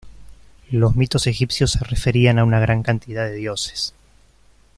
Los mitos egipcios se referían a una gran cantidad de dioses.